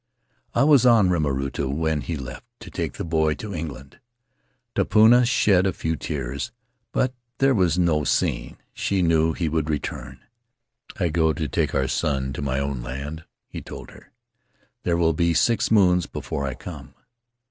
"I was on Rimarutu when he left to take the boy to England. Tupuna shed a few tears, but there was no scene — she knew he would return. 'I go to take our son to my own land,' he told her; 'there will be six moons before I come.'